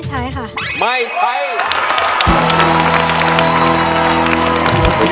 จะใช้หรือไม่ใช้ครับ